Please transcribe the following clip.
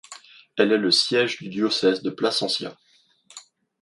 Elle est le siège du diocèse de Plasencia.